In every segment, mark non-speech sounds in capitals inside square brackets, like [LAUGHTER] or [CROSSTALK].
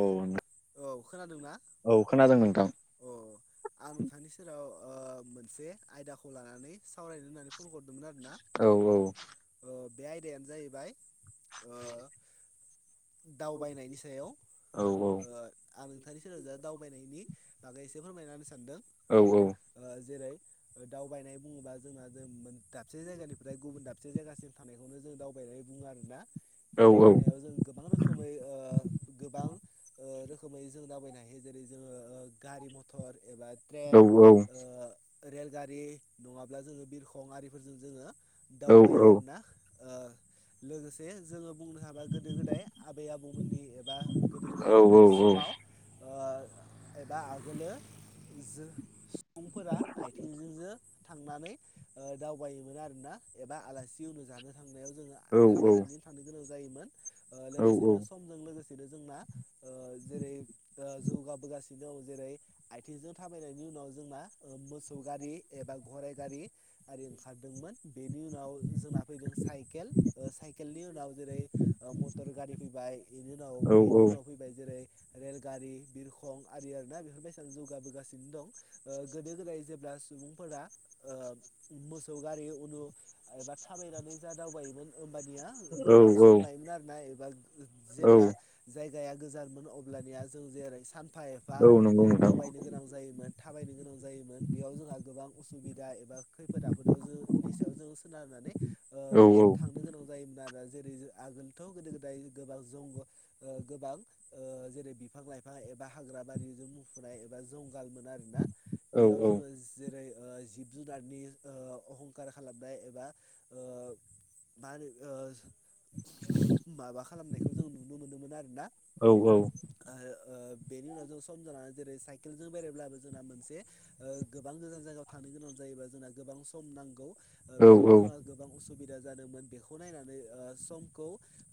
औ नो औ खोनादोंना? नोंथां अ आं नोंथांनि सेराव ओ मोनसे आयदाखौ लानानै सावरायनो होननानै फन हरदोंमोन आरो ना औ औ ओ बे आयदायानो जाहैबाय ओ दावबायनायनि सायाव औ औ ओ आं नोंथांनि सेराव दा दावबायनायनि बागै ए से फोरमायनाहोनो सानदों औ ओ जेरै दावबायनाय बुङोबा जोंहा जों मोनदा से जायगानिफ्राय गुबुन दाबसे जायगासिम थानायखौनो जों दावबायनाय बुङो आरो ना बे दावबायनायाव जों गोबां रोखोमै ओ गोबां ओ रोखोमै जों दावबायनो हायो जेरै जोङो ओ गारि मथर एबा ट्रेन ओ रेलगारि नङाब्ला जोङो बिरखं आरिफोरजों जोङो दावबायो आरो ना ओ लोगोसे जोङो बुंनो हाबा गोदो-गोदाय आबै-आबौमोननि एबा गो औ औ औ ओ एबा आगोलो जो सुबुंफोरा आथिंजों जो थांनानै ओ दावबायोमोन आरोना एबा आलासि नुजानो थां नायाव जोङो थाबायनानै थांनो गोनां जायोमोन ओ लोगोसेनो समजों लोगोसेनो जोंना ओ जेरै जौगाबोगासिनो दं जेरै आथिंजों थाबायनायनि उनाव जोंना मोसौ गारि एबा गराइ गारि आरि ओंखारदोंमोन। बेनि उनाव जोंना फैदों साइकेल साइकेलनि उनाव जेरै मटर गारि फैबाय बेनि उनाव बेनि उनाव फैबाय जेरै रेलगारि बिरखं आरियना बेफोरबायदिानो जौगाबोगासिनो दं गोदो-गोदाय जेब्ला सुबुंफोरा ओ मोसौ गारि उनु एबा थाबायनानै जा दावबायोमोन। होनबानिया औ गोबां सम लायोमोन आरोना एबा औ जेब्ला जाय गाया गोजानमोन अब्लानिया जों जेरै सान फा एफा औ नंगौ ओ नोंथां दावबायनो गोनां जायोमोन थाबायनो गोनां जायोमोन बेयाव जोंहा गोबां असुबिदा एबा खैफोद आफोदाव जोंनि सायाव जों सोनारनानै औ औ ओ थांनो गोनां जायोमोन आरो जेरै आगोलथ' गोदो-गोदाय गोबां जंग गोबां ओ जेरै बिफां-लाइफां एबा हाग्रा बारिजों मुफुनाय एबा जं गल मोन आरोना औ बेयाव जोङो जेरै ओ जिब-जुनारनि ओ अहंखार खालामनाय एबा ओ मा होनो ओ माबा खालामनायखौ जों नुनो मोनोमोन आरो औ औ ओ बेनि उनाव जों सम जानानै जेरै साइकेल जों बेरायब्लाबो जोंना मोनसे ओ गोबां गोजान जायगायाव औ नंगौ नोंथां औ औ थां [INAUDIBLE] सुबिदा जादोंमोन बेखौ नायनानै ओ समखौ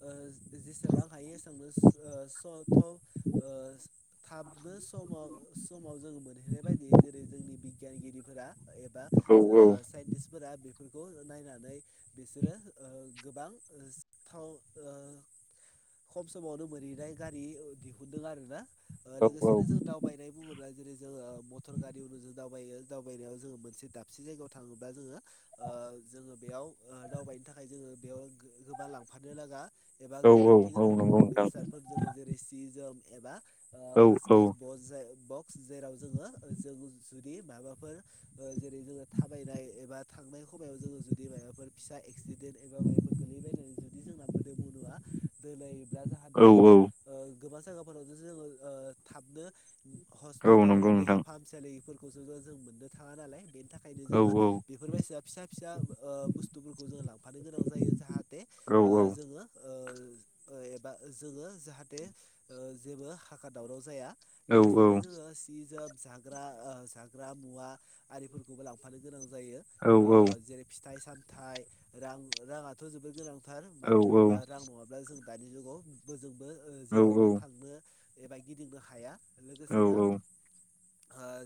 ओ जेसेबां हायो एसांनो ओ स थाबनो समाव समाव जोङो मोनहैनाय बायदि जेरै जोंनि बिगियानगिरिफोरा एबा ओ साइस्फोरा फोरखौ नायनानै बिसोरो गोबां सिथाव खब समब मोनैनाय गारि दिहुनदों आरो ना लोगोसेनो जों दावबायनाय बुङोब्ला जेरै जोङो मटर गारिफोरजों दावायो दावबायनायाव जोङो मोनसे दाबसे जायगायाव थाङोब्ला जोङो ओ जोङो बेयाव दावबायनो थाखाय जोङो बेयाव गोबां लांफानो नाङा औ औ औ नंगौ नोंथां [INAUDIBLE] जेराव जोङो जों जुदि माबाफोर जेरै जोङो थाबायनाय एबा थांनाय खायाव जो जुदि माबाफोर फिसा एक्स द एबा मा गोलैबायनानै जु जोंना मोदोम मुा दोलायोब्ला जाहाथे जोङो गोबां जायगाफोरावो जोङो थाबनो हस्पिताल एबा देहा फाहामसालिफोरखौस जों मोननो थाङा नालाय बेनि थाखायनो जोङो बेफोरबायायदिसिना फिसा फिसा बुस्थुफोरखौ जोङ लांफानो गोनां जायो जाहाथे ओ जोंङो ओ एबा जोङो जाहाथे जेबो हाखा दावराव जाया लोगो लोगोसे द जो सिज जाग्रा जाग्रा मुवा आरिफोरखौबो लांफानो गोनां जायो जेरै फिथाइ सामथाइ रां राङाथ' जोबोद गोनांथार मानो होनोबा रां नङाब्ला जों दानि जुगाव बोजोंबो जेरावबो थांनो एबा गिदिंनो हाया औ औ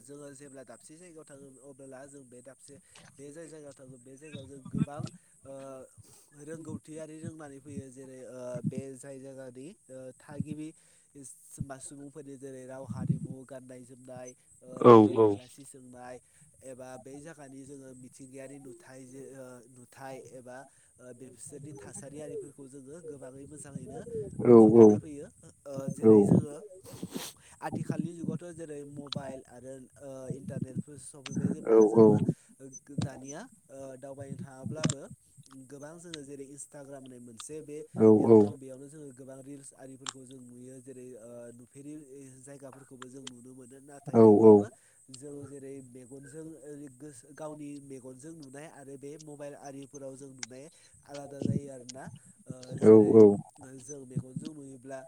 जोंङो जेब्ला दाबसे जायगायाव थाङोमोन अब्ला जों बे बे जाय जायगायाव थांगो बे जायगायाव जों गोबां रोंगौथियारि रोंनानै फैयो जेरै बे जाय जायगानि थागिबि सुबुंफोरनि जेरै राव हारिमु गाननाय जोमनाय ओ जेरै आलासि सोंनाय एबा बे जायगानि जोङो मिथिंगायारि नुथाय नुथाय एबा बे बिसोरनि थासारियारिफोरखौ जोङो बाङै मोसानाय मिथिनानै फैयो जेरै जोङो आथिखालनि जुगावथ' जेरै मबाइल आरो ओ इन्टारनेटफोर सफैबाय जेब्ला औ औ जोङो दानिया ओ दावबायनो थाङाब्लाबो गोबां जोंङो जेरै इन्सटाग्राम होननाय मोनसे बे औ एप दं बेयावनो जोङो गोबां रिल्स आरिफोरखौ जों नुयो जेरै नुफेरि जायगाफोरखौबो जों नुनो मोनो नाथाय औ थेवबो जों जेरै मे गावनि म जों नुनाय आरो बे मबाइल आरिफोराव जों नुनाय आलादा जायो आरोना ओ जेरै औ जों मेगनजों नुयोब्ला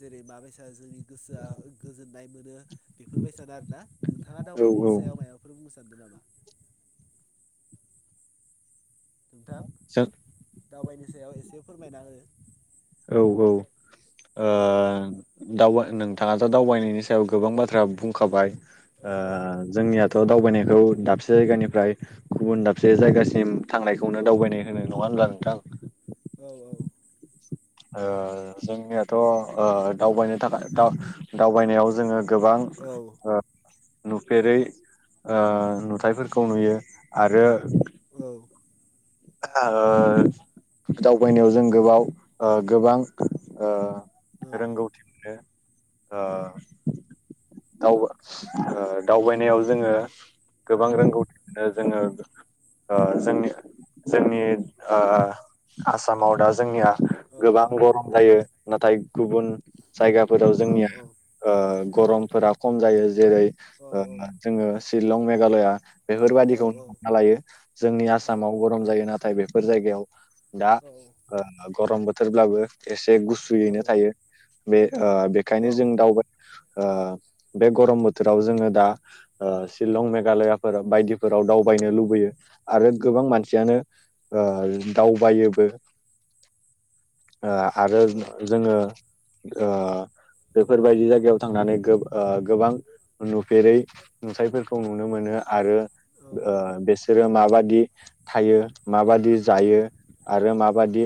जेरै माबायसा जोंनि गोसोआ गोजोन मोनो बेफोरबायदिनोना नोंथाङा जों दावनायनि सायाव माबाफोर बुं [UNINTELLIGIBLE] नोंथां दावबायनो सायाव एसे फोरमायना हो औ औ ओ दे दाउ नोंथाङाथ' दावबायनायनि सायाव गोबां बाथ्रा बुंखाबाय औ जोंनियाथ' दावबायनाय बे खौ दाबसे जायगानिफ्राय गुबुन दाबसे जायगासिम औ थांनायखौनो दावबायनाय होनो नङा होनब्ला नोंथां औ ओ जोंनियाथ ओ दावबायनो थाखाय दावबायनायाव जोंङो गोबां औ नुफेरैओ नुथायाइफोरखौ नुयो आरो औ ओ दावबायनायाव जों गोबाव गोबां रोंगौथि ओ दावबायनायाव जोंङो गोबां रोंगौथिखौनो जोङो ओ जोंनि जोंनि ओ आसामाव दा जोंनिया गोबां औ गरम जायो नाथाय गुबुन जायगाफोराव जोंनिया ओ गरमफोरा खम जायो ओ जेरै औ जोंङो शिलं मेघालया बेफोरबाददिखौनो औ हमना लायो जोंनि आसामाव गरम जायो नाथाय बेफोर जायग दा ओ गरम बोथोरब्लाबो ए जे गुसुयैनो थायो बे ओ बेखायनो जों दावबाय ओ बे गरम बोथोराव जोंङो दा ओ शिलं मेघालयाफोर बायदि फोराव दावबायनो लुबैयो आरो गोबां मानसि सियानो ओ दावबायोबो ओ आरो जोंङो ओ बेफोरबायदि जायगायाव थांनानै ओ गो गोबां नुफेरै नुथायफोरखौ नुनो मोनो आरो ओ बिसोरो माबादि थायो माबादि जायो आरो माबादि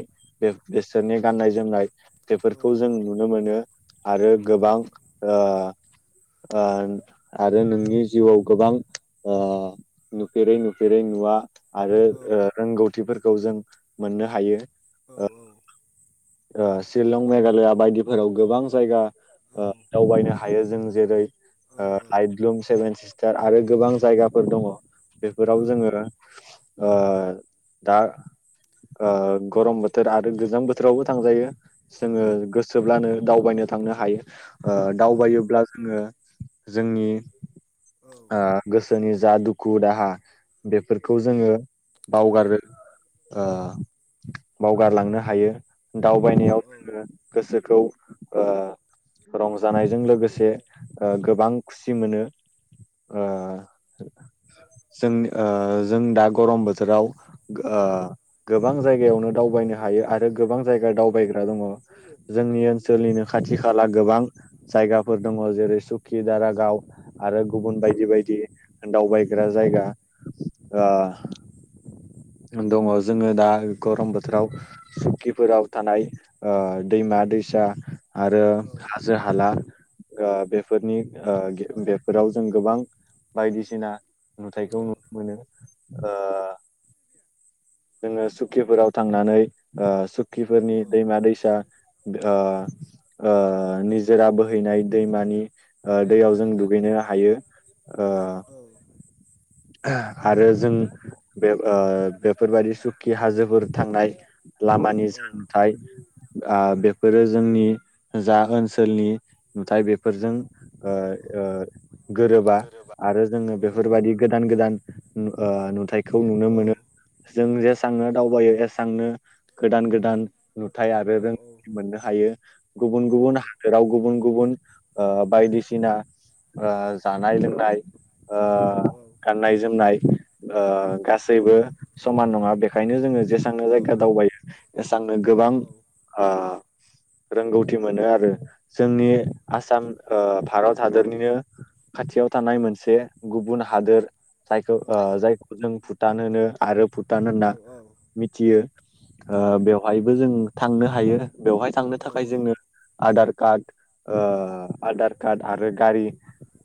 बेसोरनि गाननाय जोमनाय? बेफोरखौ जों नुनो मोनो आरो गोबां [INAUDIBLE] आरो नोंनि जिउआव गोबां नुफेरै नुफेरै नुवा आरो रोंगौथिफोरखौ जों मोननो हायो। शिलं मेघालया बायदिफोराव गोबां जायगा दावबायनो हायो जों जेरै लाइट्लुम सेभेन सिस्टार आरो गोबां जायगाफोर दङ। बेफोराव जोङो दा गरम बोथोर आरो गोजां बोथोरावबो थांजायो। जोङो गोसोब्लानो दावबायनो थांनो हायो दावबायोब्ला जोङो जोंनि औ औ गोसोनि जा दुखु दाहा बेफोरखौ जोङो गोरोबा जायखौ बावगार बावगारलांनो हायो। दावबायनायाव जोङो गोसोखौ रंजानायजों लोगोसे ओ गोबां खुसि मोनो। ओ जों ओ जों दा गरम बोथोराव ओ गोबां जायगायावनो दावबायनो हायो आरो गोबां जायगा दावबायग्रा दङ। जोंनि ओनसोलनिनो खाथि खाला गोबां जायगाफोर दङ जेरै सुकि, दारागाव आरो गुबुन बायदि बायदि दावबायग्रा जायगा ओ [INAUDIBLE] दङ जोङो दा गरम बोथोराव सुखिफोराव थानाय ओ दैमा दैसा आरो हाजो हाला ओ बेफोरनि ओ बेफोराव जों गोबां बायदिसिना नुथायखौ नुनो मोनो। ओ जोङो सुकिफोराव थांनानै ओ सुखिफोरनि दैमा दैसा ओ ओ निजोरा बोहैनाय दैमानि ओ दैयाव जों दुगैनो हायो ओ आरो जों बे ओ बेफोरबायदि सुखि हाजोफोर थांनाय ला मानि जान्थाय ओ बेफोरो जोंनि जा ओनसोलनि नुथाइ बेफोरजों ओ ओ गोरोबा आरो जोङो बेफोरबादि ओ नुथायखौ नुनो मोनो जों जे सांनो दावबायो एसांनो गोदान गोदान नुथाय आरो रोंथि मोननो हायो। गुबुन गुबुन हादोराव गुबुन गुबुन ओ बायदिसिना ओ जानाय लोंनाय ओ औ औ। गाननाय जोमनाय ओ गासैबो समान नङा बेखायनो जोङो जेसांनो जायगा दावबायो एसांनो गोबां ओ रोंगौथि मोनो आरो जोंनि आसाम ओ भारत हादरनिनो खाथियाव थानाय मोनसे गुबुन हादोर जायखौ ओ जायखौ जों भुटान होनो आरो भुटान होनना मिथियो। ओ बेवहायबो जों थांनो हायो बेवहाय थांनो थाखाय जोंनो आधार कार्ड ओ आधार कार्ड आरो गारि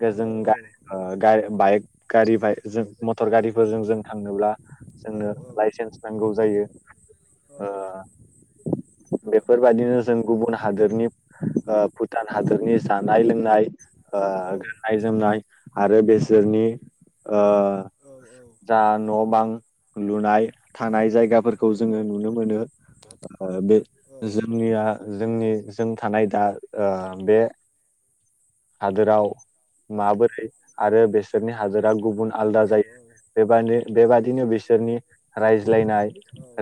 गोजों गारि ओ गाइ बाइक गारि भाय जों मटर गारिफोरजों जों थांनोब्ला जोंनो लाइसेन्स नांगौ जायो ओ बेफोरबायदिनो जों गुबुन हादोरनि ओ भुटान हादोरनि जानाय लोंनाय। ओ गाननाय जोमनाय आरो बेसोरनि ओ जा न' बां लुनाय थानाय जाय गाफोरखौ जोङो नुनो मोनो ओ बे जोंनिया जोंनि जों थानाय दा ओ बे हादोराव माबोरै आरो बेसोरनि हादोरा गुबुन आलदा जायो। बेबा-बेबादिनो बिसोरनि रायज्लायनाय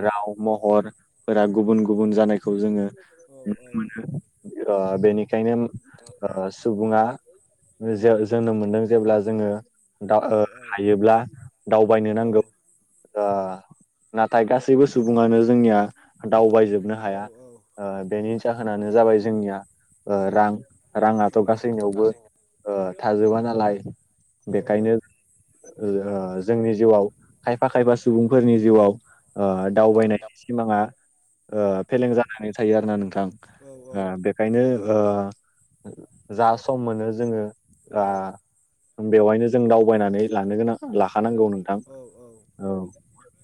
राव महरफोरा गुबुन गुबुन जानायखौ जोङो नुनो मोनो। ओ बेनिखायनो ओ सुबुङा जो-जोनोम मोनदों जेब्ला जोङो। दा ओ हायोब्ला दावबायनो नांगौ ओ नाथाय गासैबो सुबुङानो जोंनिया दावबायजोबनो हाया। ओ बेनि जाहोनानो जाबाय जोंनिया ओ रां राङा थ' गासैनियावबो गासै ओ थाजोबा नालाय औ औ बेखायनो ओ जोंनि जिउआव खायफा खायफा सुबुंफोरनि जिउआव ओ औ दावबायनाय सिमाङा ओ फेलें जानानै थायो आरोना नोंथां बेखायनो ओ जा सम मोनो जोङो आ बेवहायनो जों दावबायनानै लांनो गोनां लाखानांगौ नोंथां औ औ।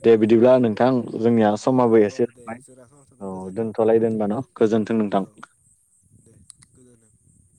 दे बिदिब्ला नोंथां जोंनिया औ समाबो एसे औ एसे दे जोंना समा थौबाय औ गोजोन्थों दोनथ'लाय दोनब न' गोजोन्थों नोंथां। गोजोनथों।